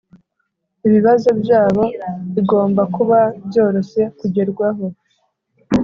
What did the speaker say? ibibazo byabo igomba kuba byoroshye kugerwaho